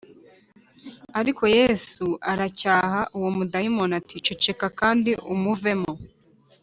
Ariko Yesu acyaha uwo mudayimoni ati ceceka kandi umuvemo